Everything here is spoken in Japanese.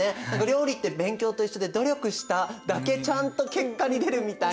料理って勉強と一緒で努力しただけちゃんと結果に出るみたいな。